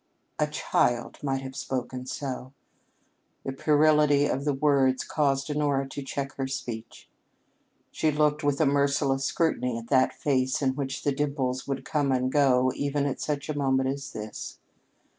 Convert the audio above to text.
A child might have spoken so. The puerility of the words caused Honora to check her speech. She looked with a merciless scrutiny at that face in which the dimples would come and go even at such a moment as this.